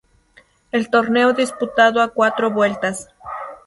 El torneo disputado a cuatro vueltas.